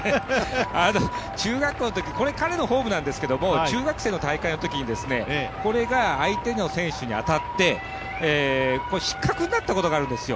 中学校の時、これ、彼のフォームなんですけど中学生の大会のときにこれが相手の選手に当たって、失格になったことがあるんですよ。